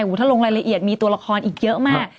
ถ้าลงรายละเอียดมีตัวละครอีกเยอะมาก